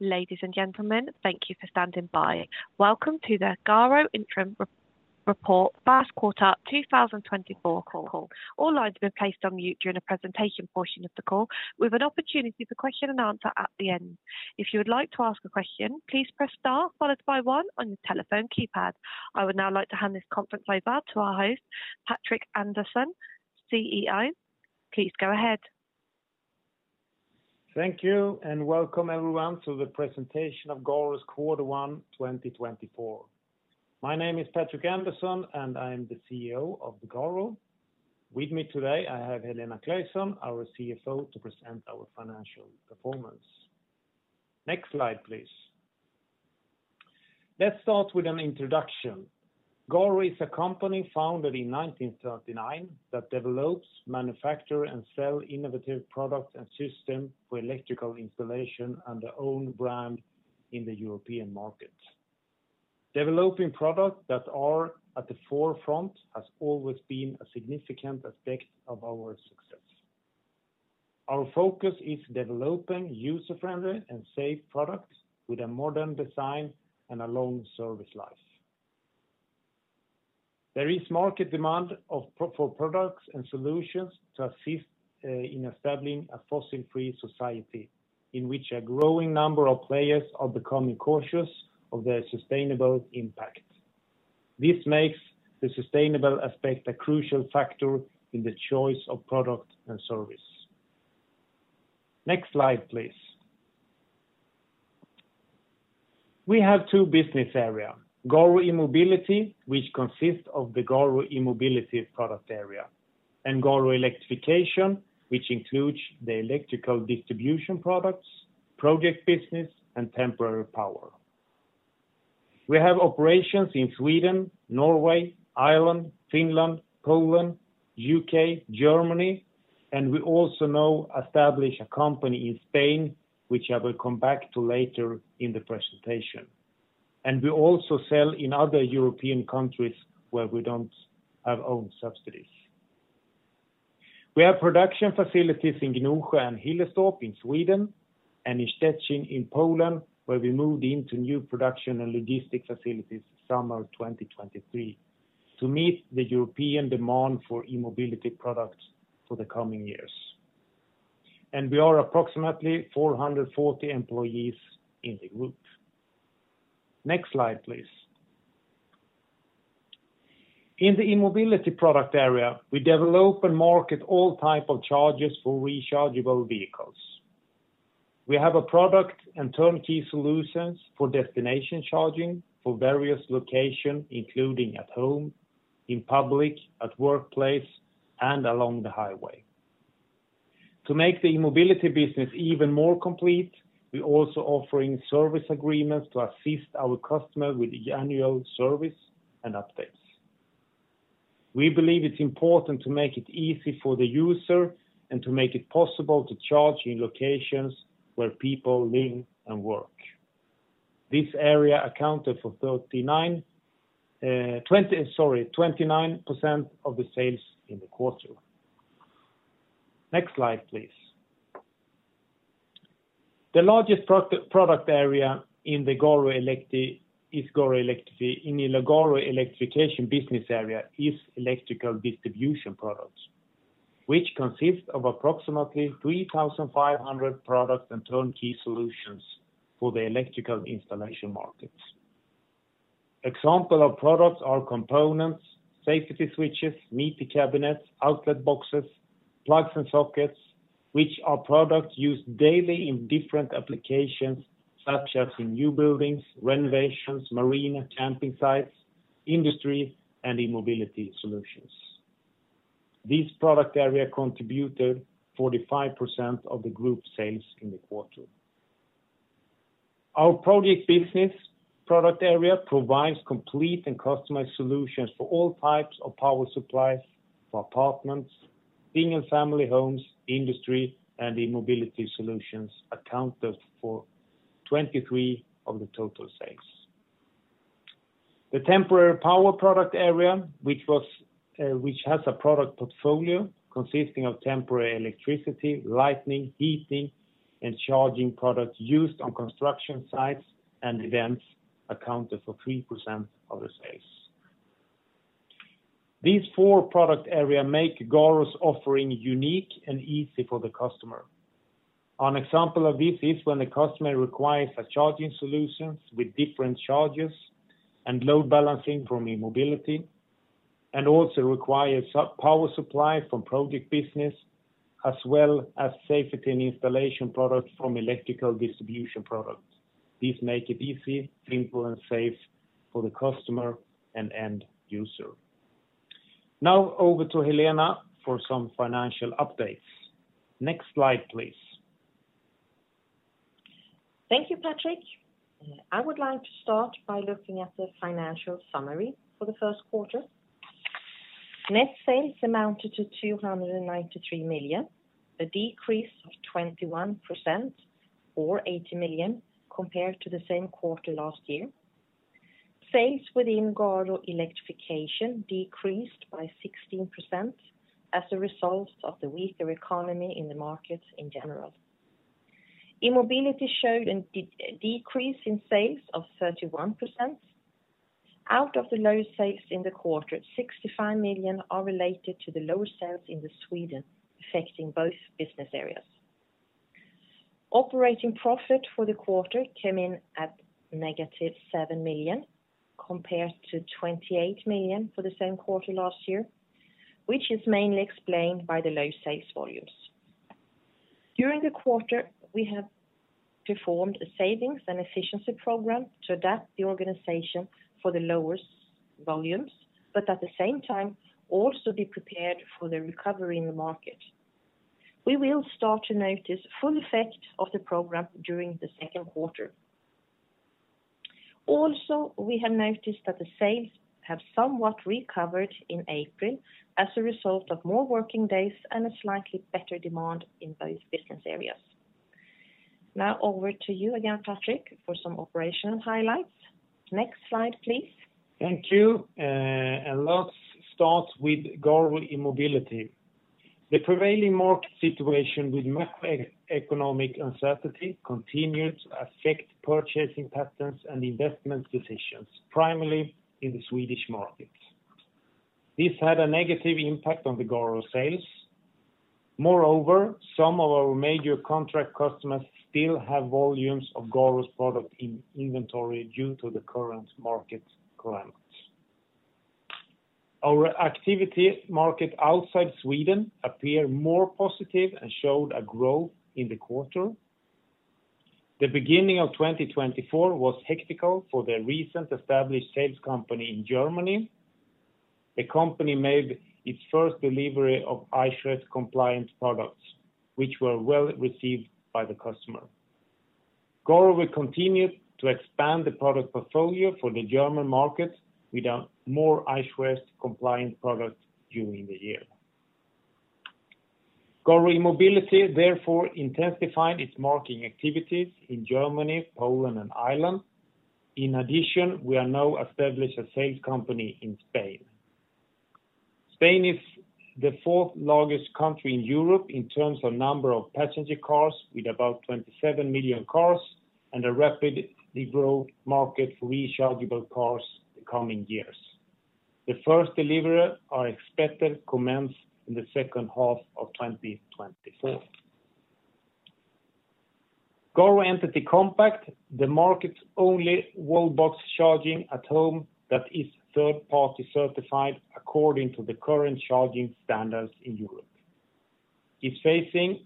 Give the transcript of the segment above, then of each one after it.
Ladies and gentlemen, thank you for standing by. Welcome to the GARO Interim Report First Quarter 2024 call. All lines will be placed on mute during the presentation portion of the call, with an opportunity for question and answer at the end. If you would like to ask a question, please press star followed by one on your telephone keypad. I would now like to hand this conference over to our host, Patrik Andersson, CEO. Please go ahead. Thank you and welcome everyone to the presentation of GARO's Quarter 1 2024. My name is Patrik Andersson, and I am the CEO of GARO. With me today, I have Helena Claesson, our CFO, to present our financial performance. Next slide, please. Let's start with an introduction. GARO is a company founded in 1939 that develops, manufactures, and sells innovative products and systems for electrical installation under its own brand in the European market. Developing products that are at the forefront has always been a significant aspect of our success. Our focus is developing user-friendly and safe products with a modern design and a long service life. There is market demand for products and solutions to assist in establishing a fossil-free society in which a growing number of players are becoming cautious of their sustainable impact. This makes the sustainability aspect a crucial factor in the choice of products and services. Next slide, please. We have two business areas: GARO E-mobility, which consists of the GARO E-mobility product area, and GARO Electrification, which includes the electrical distribution products, project business, and temporary power. We have operations in Sweden, Norway, Ireland, Finland, Poland, the U.K., Germany, and we also now establish a company in Spain, which I will come back to later in the presentation. We also sell in other European countries where we don't have own subsidiaries. We have production facilities in Gnosjö and Hillestorp in Sweden and in Szczecin in Poland, where we moved into new production and logistics facilities in the summer of 2023 to meet the European demand for eMobility products for the coming years. We are approximately 440 employees in the group. Next slide, please. In the eMobility product area, we develop and market all types of chargers for rechargeable vehicles. We have product and turnkey solutions for destination charging for various locations, including at home, in public, at the workplace, and along the highway. To make the eMobility business even more complete, we are also offering service agreements to assist our customers with the annual service and updates. We believe it's important to make it easy for the user and to make it possible to charge in locations where people live and work. This area accounted for 29% of the sales in the quarter. Next slide, please. The largest product area in the GARO Electrification business area is electrical distribution products, which consist of approximately 3,500 products and turnkey solutions for the electrical installation markets. Examples of products are components, safety switches, meter cabinets, outlet boxes, plugs, and sockets, which are products used daily in different applications such as in new buildings, renovations, marine camping sites, industry, and eMobility solutions. This product area contributed 45% of the group sales in the quarter. Our project business product area provides complete and customized solutions for all types of power supplies for apartments, single-family homes, industry, and eMobility solutions accounted for 23% of the total sales. The temporary power product area, which has a product portfolio consisting of temporary electricity, lighting, heating, and charging products used on construction sites and events, accounted for 3% of the sales. These four product areas make GARO's offering unique and easy for the customer. An example of this is when the customer requires charging solutions with different chargers and load balancing from eMobility, and also requires power supplies from project business as well as safety and installation products from electrical distribution products. These make it easy, simple, and safe for the customer and end user. Now over to Helena for some financial updates. Next slide, please. Thank you, Patrik. I would like to start by looking at the financial summary for the first quarter. Net sales amounted to 293 million, a decrease of 21% or 80 million compared to the same quarter last year. Sales within GARO Electrification decreased by 16% as a result of the weaker economy in the markets in general. eMobility showed a decrease in sales of 31%. Out of the lowest sales in the quarter, 65 million are related to the lower sales in Sweden, affecting both business areas. Operating profit for the quarter came in at -7 million compared to 28 million for the same quarter last year, which is mainly explained by the low sales volumes. During the quarter, we have performed a savings and efficiency program to adapt the organization for the lower volumes, but at the same time also be prepared for the recovery in the market. We will start to notice full effect of the program during the second quarter. Also, we have noticed that the sales have somewhat recovered in April as a result of more working days and a slightly better demand in those business areas. Now over to you again, Patrik, for some operational highlights. Next slide, please. Thank you. Let's start with GARO E-mbility. The prevailing market situation with macroeconomic uncertainty continues to affect purchasing patterns and investment decisions, primarily in the Swedish markets. This had a negative impact on GARO sales. Moreover, some of our major contract customers still have volumes of GARO's products in inventory due to the current market climate. Our activity market outside Sweden appeared more positive and showed growth in the quarter. The beginning of 2024 was hectic for the recently established sales company in Germany. The company made its first delivery of Eichrecht-compliant products, which were well received by the customer. GARO will continue to expand the product portfolio for the German market with more Eichrecht-compliant products during the year. GARO E-mobility, therefore, intensified its marketing activities in Germany, Poland, and Ireland. In addition, we are now established as a sales company in Spain. Spain is the fourth-largest country in Europe in terms of number of passenger cars, with about 27 million cars and a rapidly growing market for rechargeable cars in the coming years. The first delivery is expected to commence in the second half of 2024. GARO Entity Compact, the market's only Wallbox charging at home that is third-party certified according to the current charging standards in Europe, is facing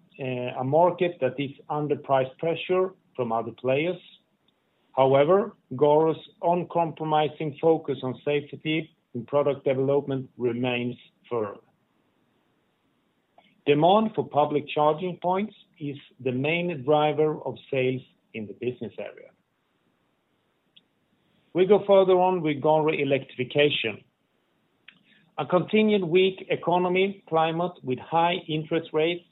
a market that is under price pressure from other players. However, GARO's uncompromising focus on safety in product development remains firm. Demand for public charging points is the main driver of sales in the business area. We go further on with GARO Electrification. A continued weak economic climate with high interest rates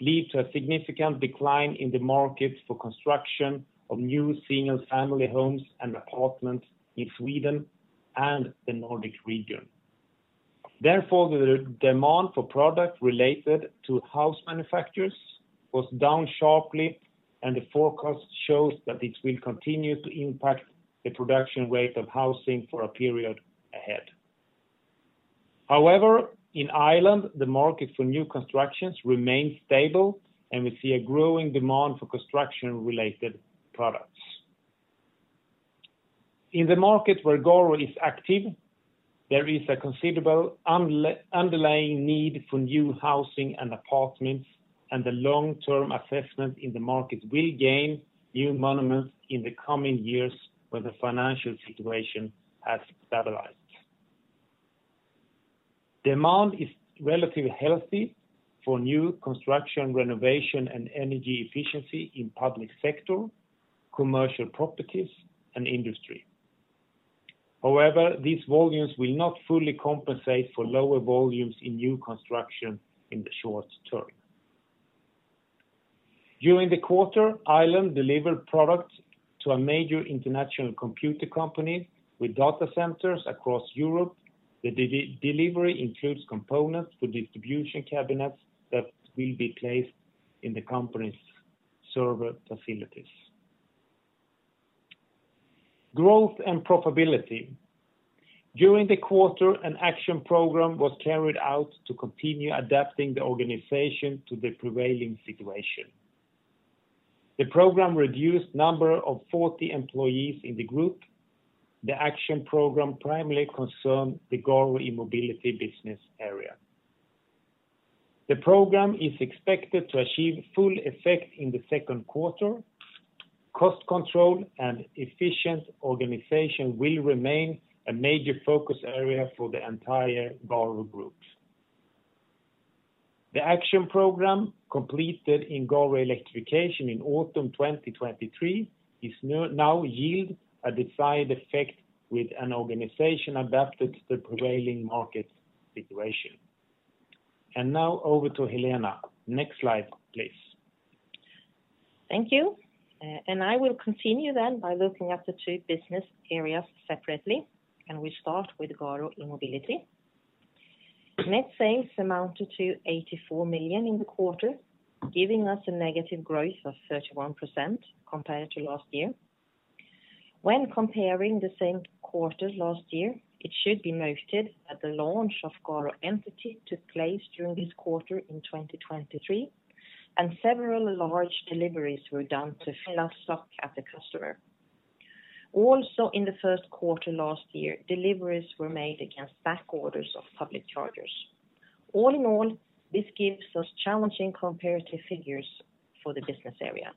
leads to a significant decline in the market for construction of new single-family homes and apartments in Sweden and the Nordic region. Therefore, the demand for products related to house manufacturers was down sharply, and the forecast shows that it will continue to impact the production rate of housing for a period ahead. However, in Ireland, the market for new constructions remains stable, and we see a growing demand for construction-related products. In the market where GARO is active, there is a considerable underlying need for new housing and apartments, and the long-term assessment in the market will gain new momentum in the coming years when the financial situation has stabilized. Demand is relatively healthy for new construction, renovation, and energy efficiency in the public sector, commercial properties, and industry. However, these volumes will not fully compensate for lower volumes in new construction in the short term. During the quarter, Ireland delivered products to a major international computer company with data centers across Europe. The delivery includes components for distribution cabinets that will be placed in the company's server facilities. Growth and profitability. During the quarter, an action program was carried out to continue adapting the organization to the prevailing situation. The program reduced the number of 40 employees in the group. The action program primarily concerned the GARO E-mobility business area. The program is expected to achieve full effect in the second quarter. Cost control and efficient organization will remain a major focus area for the entire GARO group. The action program completed in GARO Electrification in autumn 2023 has now yielded a desired effect with an organization adapted to the prevailing market situation. Now over to Helena. Next slide, please. Thank you. I will continue then by looking at the two business areas separately. Can we start with GARO E-mobility? Net sales amounted to 84 million in the quarter, giving us a negative growth of 31% compared to last year. When comparing the same quarter last year, it should be noted that the launch of GARO Entity took place during this quarter in 2023, and several large deliveries were done to left stock at the customer. Also, in the first quarter last year, deliveries were made against backorders of public chargers. All in all, this gives us challenging comparative figures for the business area.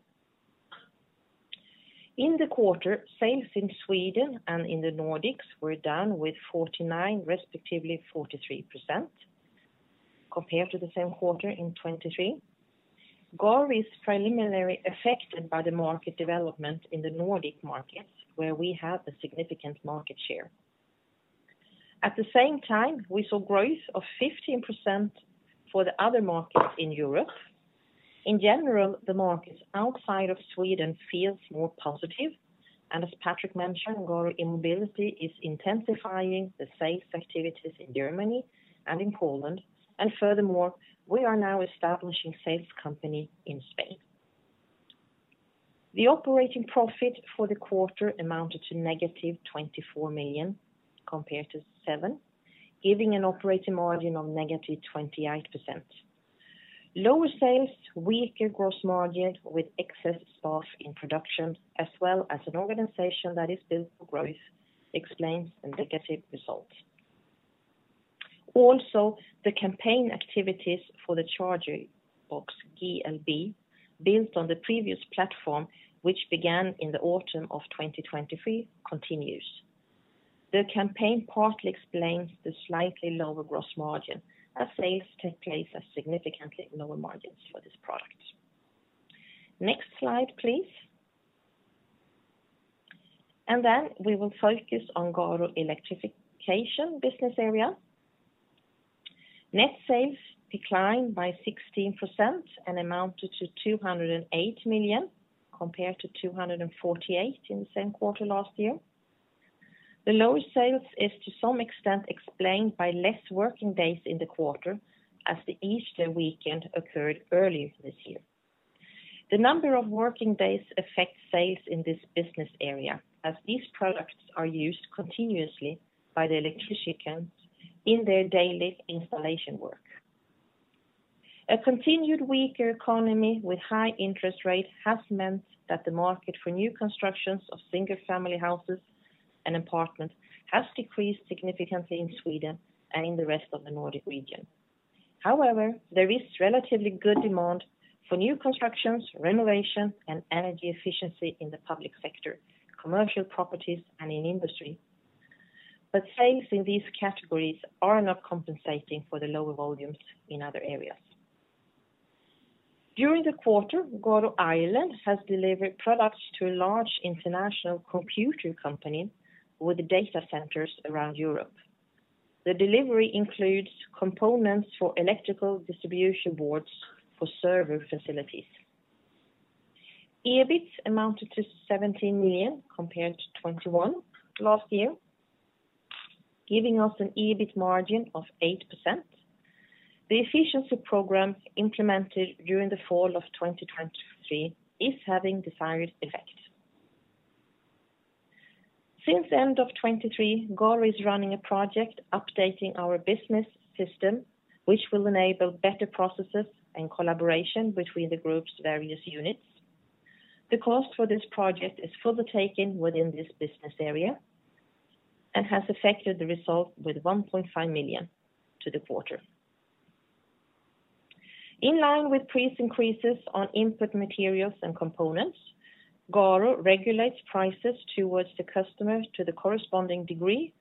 In the quarter, sales in Sweden and in the Nordics were down with 49%, respectively 43%, compared to the same quarter in 2023. GARO is preliminarily affected by the market development in the Nordic markets, where we have a significant market share. At the same time, we saw growth of 15% for the other markets in Europe. In general, the markets outside of Sweden feel more positive. As Patrik mentioned, GARO E-mobility is intensifying the sales activities in Germany and in Poland. Furthermore, we are now establishing a sales company in Spain. The operating profit for the quarter amounted to -24 million compared to '07, giving an operating margin of -28%. Lower sales, weaker gross margin with excess staff in production, as well as an organization that is built for growth, explains the negative result. Also, the campaign activities for the charger box GLB, built on the previous platform which began in the autumn of 2023, continue. The campaign partly explains the slightly lower gross margin as sales take place at significantly lower margins for this product. Next slide, please. Then we will focus on GARO Electrification business area. Net sales declined by 16% and amounted to 208 million compared to 248 million in the same quarter last year. The lower sales are to some extent explained by less working days in the quarter as the Easter weekend occurred earlier this year. The number of working days affects sales in this business area as these products are used continuously by the electricians in their daily installation work. A continued weaker economy with high interest rates has meant that the market for new constructions of single-family houses and apartments has decreased significantly in Sweden and in the rest of the Nordic region. However, there is relatively good demand for new constructions, renovation, and energy efficiency in the public sector, commercial properties, and in industry. But sales in these categories are not compensating for the lower volumes in other areas. During the quarter, GARO Ireland has delivered products to a large international computer company with data centers around Europe. The delivery includes components for electrical distribution boards for server facilities. EBIT amounted to 17 million compared to 2021 last year, giving us an EBIT margin of 8%. The efficiency program implemented during the fall of 2023 is having the desired effect. Since the end of 2023, GARO is running a project updating our business system, which will enable better processes and collaboration between the group's various units. The cost for this project is fully taken within this business area and has affected the result with 1.5 million to the quarter. In line with price increases on input materials and components, GARO regulates prices towards the customer to the corresponding degree,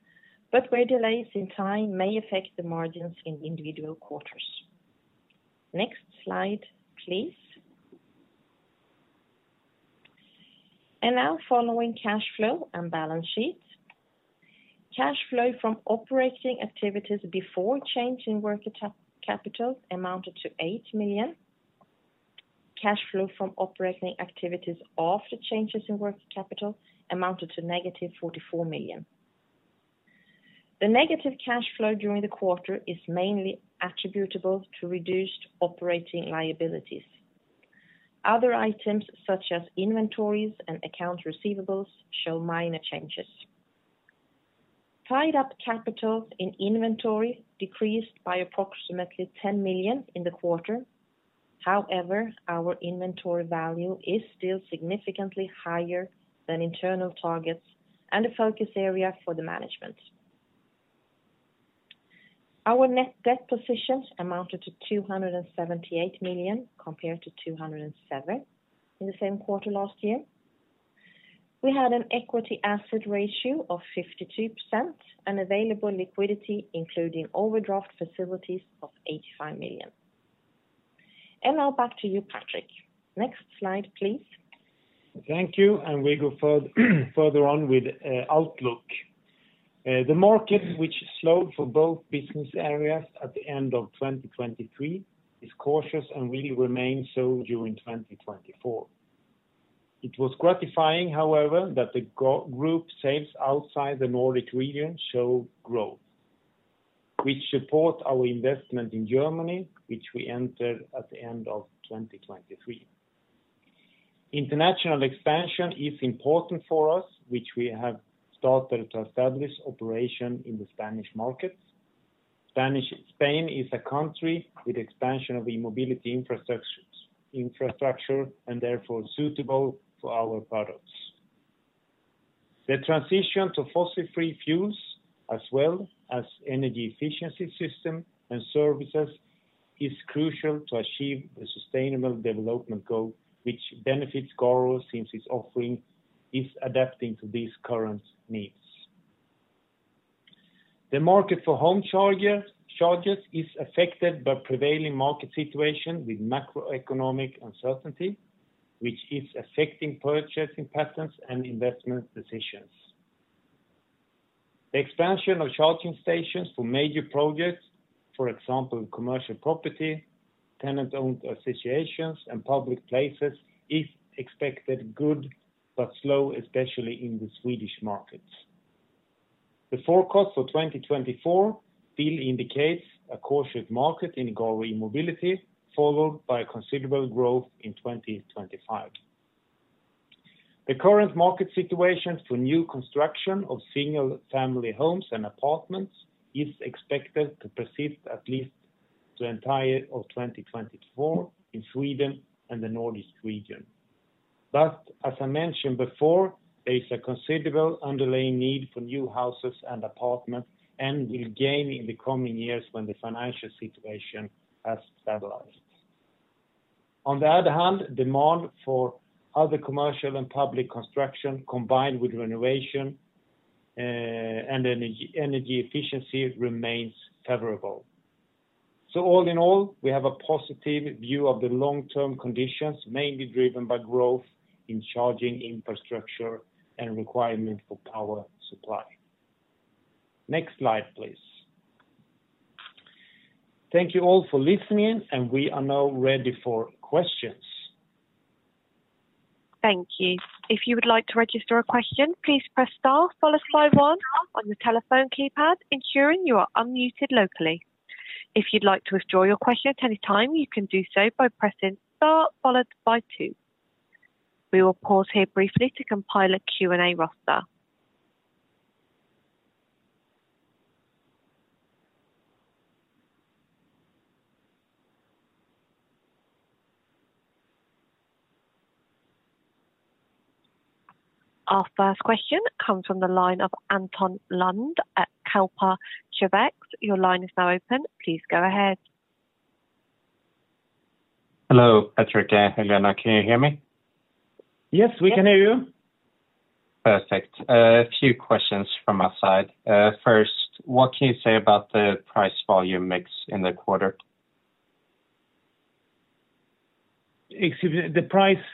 but where delays in time may affect the margins in individual quarters. Next slide, please. Now following cash flow and balance sheet. Cash flow from operating activities before change in working capital amounted to 8 million. Cash flow from operating activities after changes in working capital amounted to -44 million. The negative cash flow during the quarter is mainly attributable to reduced operating liabilities. Other items, such as inventories and account receivables, show minor changes. Tied-up capital in inventory decreased by approximately 10 million in the quarter. However, our inventory value is still significantly higher than internal targets and a focus area for the management. Our net debt position amounted to 278 million compared to 207 million in the same quarter last year. We had an equity asset ratio of 52% and available liquidity, including overdraft facilities, of 85 million. Now back to you, Patrik. Next slide, please. Thank you. We go further on with Outlook. The market, which slowed for both business areas at the end of 2023, is cautious and will remain so during 2024. It was gratifying, however, that the group sales outside the Nordic region showed growth, which supports our investment in Germany, which we entered at the end of 2023. International expansion is important for us, which we have started to establish operations in the Spanish markets. Spain is a country with expansion of eMobility infrastructure and therefore suitable for our products. The transition to fossil-free fuels, as well as energy efficiency systems and services, is crucial to achieve the sustainable development goal, which benefits GARO since its offering is adapting to these current needs. The market for home chargers is affected by the prevailing market situation with macroeconomic uncertainty, which is affecting purchasing patterns and investment decisions. The expansion of charging stations for major projects, for example, commercial property, tenant-owned associations, and public places, is expected to be good but slow, especially in the Swedish markets. The forecast for 2024 still indicates a cautious market in GARO E-mobility, followed by considerable growth in 2025. The current market situation for new construction of single-family homes and apartments is expected to persist at least through the entire year of 2024 in Sweden and the Nordic region. But as I mentioned before, there is a considerable underlying need for new houses and apartments and will gain in the coming years when the financial situation has stabilized. On the other hand, demand for other commercial and public construction, combined with renovation and energy efficiency, remains favorable. So all in all, we have a positive view of the long-term conditions, mainly driven by growth in charging infrastructure and the requirement for power supply. Next slide, please. Thank you all for listening, and we are now ready for questions. Thank you. If you would like to register a question, please press star, followed by one on your telephone keypad, ensuring you are unmuted locally. If you'd like to withdraw your question at any time, you can do so by pressing star, followed by two. We will pause here briefly to compile a Q&A roster. Our first question comes from the line of Anton Lund at Kepler Cheuvreux. Your line is now open. Please go ahead. Hello, Patrik. Helena, can you hear me? Yes, we can hear you. Perfect. A few questions from our side. First, what can you say about the price-volume mix in the quarter? Excuse me. The price?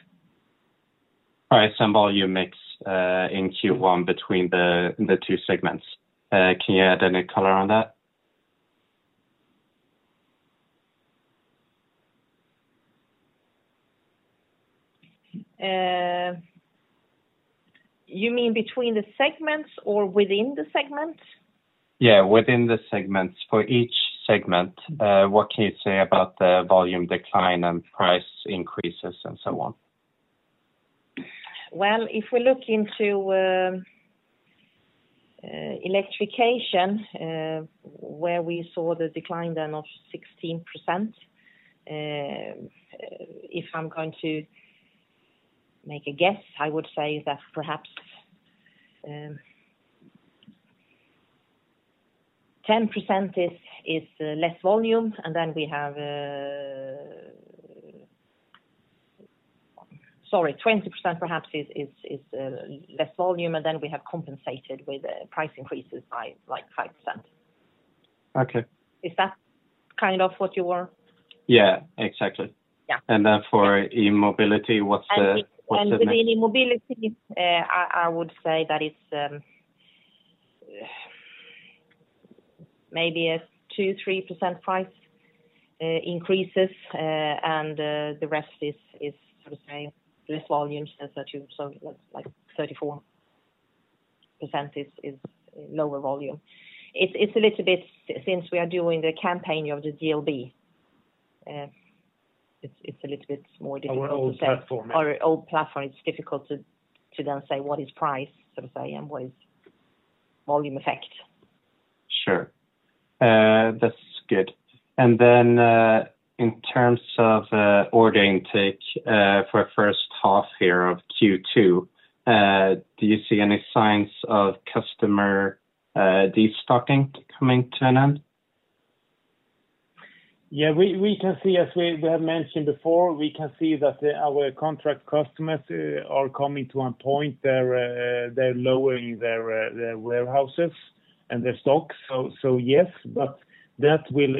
Price and volume mix in Q1 between the two segments. Can you add any color on that? You mean between the segments or within the segments? Yeah, within the segments. For each segment, what can you say about the volume decline and price increases and so on? Well, if we look into electrification, where we saw the decline then of 16%, if I'm going to make a guess, I would say that perhaps 10% is less volume, and then we have sorry, 20% perhaps is less volume, and then we have compensated with price increases by 5%. Is that kind of what you were? Yeah, exactly. And then for eMobility, what's the? Within eMobility, I would say that it's maybe a 2%-3% price increases, and the rest is sort of the same. Less volume, so 34% is lower volume. It's a little bit since we are doing the campaign of the GLB, it's a little bit more difficult to say. For the old platform, yeah. For the old platform, it's difficult to then say what is price, so to say, and what is volume effect. Sure. That's good. And then in terms of order intake for the first half here of Q2, do you see any signs of customer destocking coming to an end? Yeah, we can see, as we have mentioned before, we can see that our contract customers are coming to a point. They're lowering their warehouses and their stock. So yes, but that will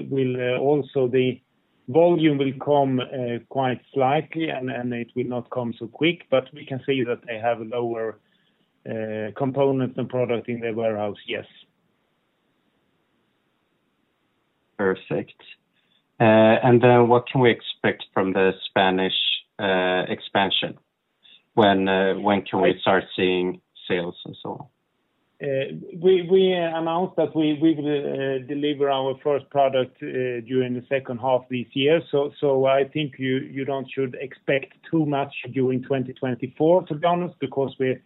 also, the volume will come quite slightly, and it will not come so quick. But we can see that they have lower components and products in their warehouse, yes. Perfect. And then what can we expect from the Spanish expansion? When can we start seeing sales and so on? We announced that we will deliver our first product during the second half this year. So I think you don't should expect too much during 2024, to be honest, because we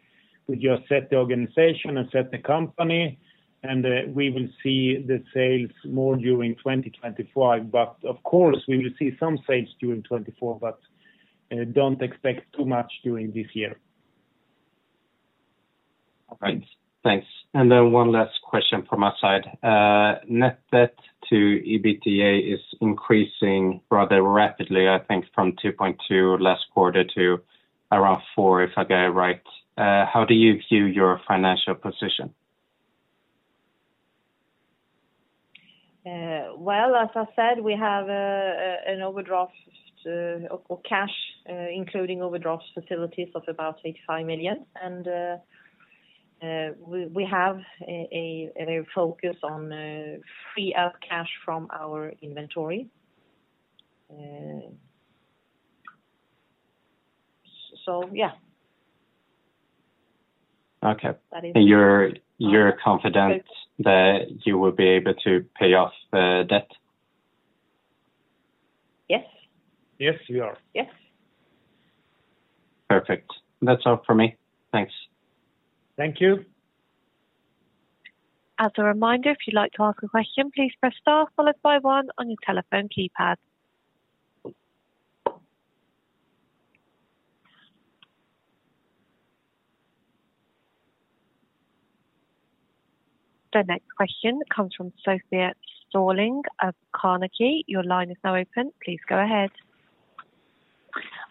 just set the organization and set the company, and we will see the sales more during 2025. But of course, we will see some sales during 2024, but don't expect too much during this year. All right. Thanks. And then one last question from our side. Net debt to EBITDA is increasing rather rapidly, I think, from 2.2 last quarter to around four, if I get it right. How do you view your financial position? Well, as I said, we have an overdraft or cash, including overdraft facilities, of about 85 million. We have a focus on freeing up cash from our inventory. So yeah. Okay. And you're confident that you will be able to pay off the debt? Yes. Yes, we are. Yes. Perfect. That's all from me. Thanks. Thank you. As a reminder, if you'd like to ask a question, please press star, followed by 1 on your telephone keypad. The next question comes from Sofia Sörling of Carnegie. Your line is now open. Please go ahead.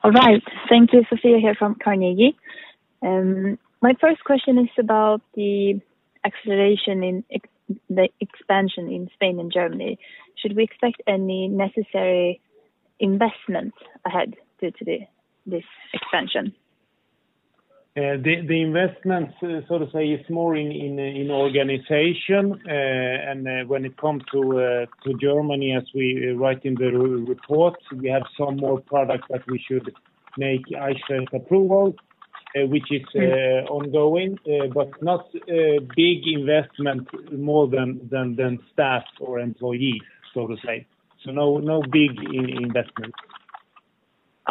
All right. Thank you, Sofia, here from Carnegie. My first question is about the expansion in Spain and Germany. Should we expect any necessary investment ahead due to this expansion? The investment, so to say, is more in organization. When it comes to Germany, as we write in the report, we have some more products that we should make Eichrecht approval, which is ongoing, but not big investment more than staff or employees, so to say. So no big investment.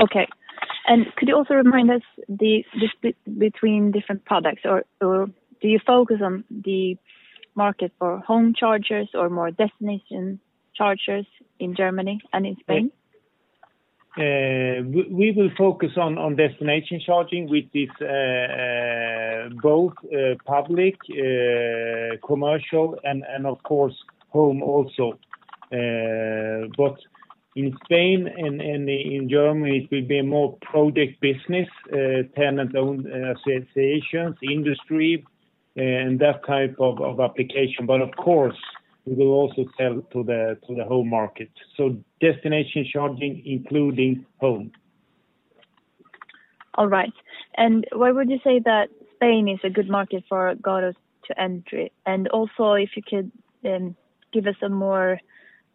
Okay. Could you also remind us between different products, or do you focus on the market for home chargers or more destination chargers in Germany and in Spain? We will focus on destination charging, which is both public, commercial, and of course, home also. But in Spain and in Germany, it will be more project business, tenant-owned associations, industry, and that type of application. But of course, we will also sell to the home market. So destination charging, including home. All right. Why would you say that Spain is a good market for GARO to enter? Also, if you could give us some more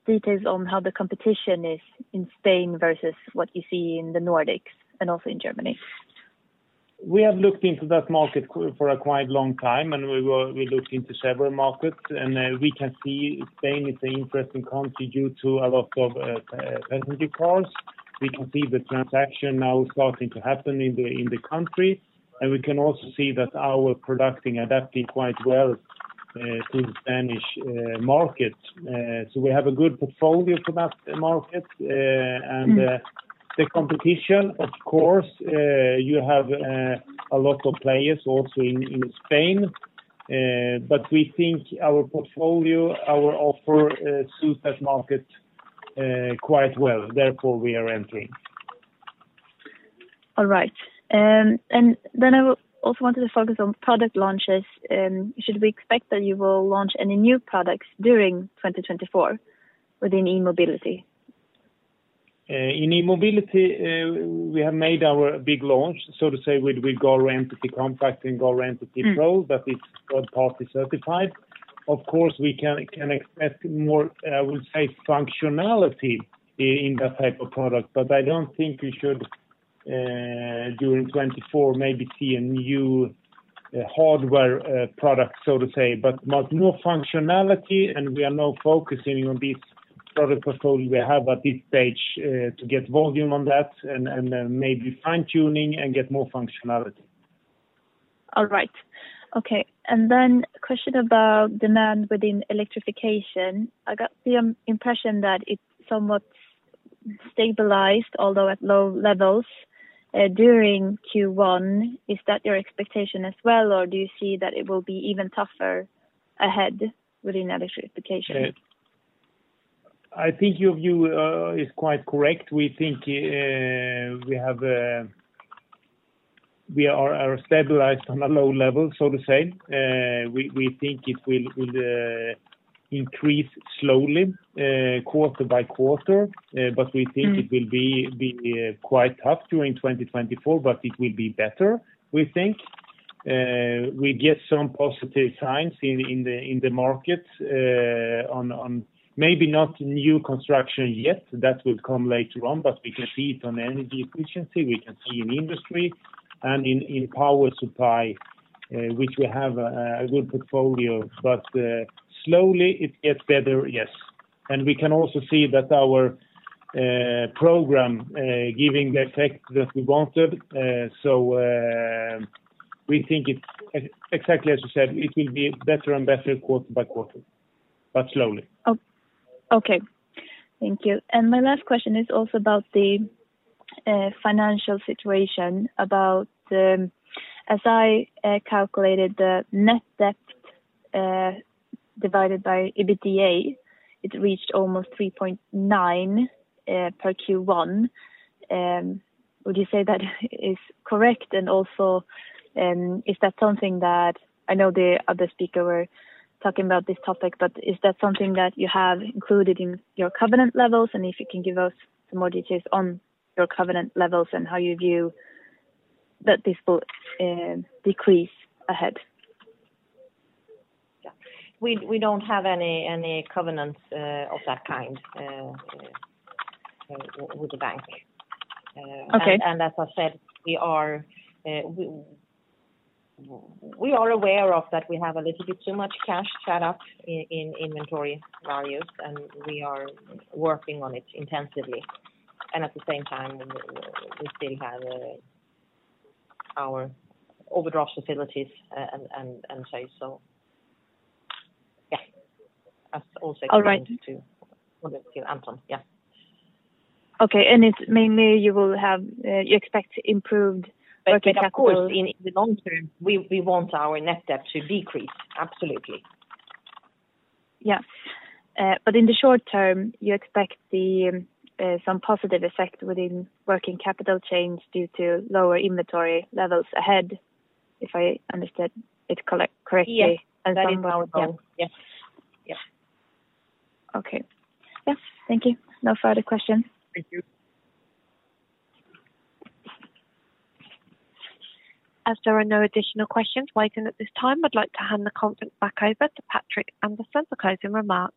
details on how the competition is in Spain versus what you see in the Nordics and also in Germany. We have looked into that market for a quite long time, and we looked into several markets. We can see Spain is an interesting country due to a lot of passenger cars. We can see the transaction now starting to happen in the country. We can also see that our product is adapting quite well to the Spanish market. We have a good portfolio for that market. The competition, of course, you have a lot of players also in Spain. We think our portfolio, our offer, suits that market quite well. Therefore, we are entering. All right. And then I also wanted to focus on product launches. Should we expect that you will launch any new products during 2024 within eMobility? In eMobility, we have made our big launch, so to say, with GARO Entity Compact and GARO Entity Pro, that is third-party certified. Of course, we can expect more, I would say, functionality in that type of product. But I don't think you should, during 2024, maybe see a new hardware product, so to say, but more functionality. And we are now focusing on this product portfolio we have at this stage to get volume on that and maybe fine-tuning and get more functionality. All right. Okay. And then question about demand within electrification. I got the impression that it's somewhat stabilized, although at low levels, during Q1. Is that your expectation as well, or do you see that it will be even tougher ahead within electrification? I think your view is quite correct. We think we are stabilized on a low level, so to say. We think it will increase slowly, quarter by quarter. But we think it will be quite tough during 2024, but it will be better, we think. We get some positive signs in the markets on maybe not new construction yet. That will come later on. But we can see it on energy efficiency. We can see in industry and in power supply, which we have a good portfolio of. But slowly, it gets better, yes. And we can also see that our program is giving the effect that we wanted. So we think it's exactly as you said, it will be better and better quarter by quarter, but slowly. Okay. Thank you. And my last question is also about the financial situation. As I calculated the net debt divided by EBITDA, it reached almost 3.9 per Q1. Would you say that is correct? And also, is that something that I know the other speaker were talking about this topic, but is that something that you have included in your covenant levels? And if you can give us some more details on your covenant levels and how you view that this will decrease ahead? Yeah. We don't have any covenants of that kind with the bank. And as I said, we are aware of that we have a little bit too much cash tied up in inventory values, and we are working on it intensively. And at the same time, we still have our overdraft facilities and so on. So yeah, that's also expecting to want to see Anton. Yeah. Okay. And it's mainly you expect improved working capital. But of course, in the long term, we want our net debt to decrease, absolutely. Yeah. But in the short term, you expect some positive effect within working capital change due to lower inventory levels ahead, if I understood it correctly. Yes. And then going down. Yes. Yep. Okay. Yeah. Thank you. No further questions. Thank you. As there are no additional questions, wrapping up at this time, I'd like to hand the conference back over to Patrik Andersson for closing remarks.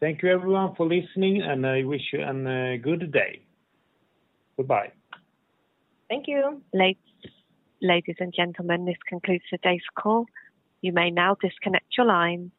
Thank you, everyone, for listening, and I wish you a good day. Goodbye. Thank you. Ladies and gentlemen, this concludes today's call. You may now disconnect your lines.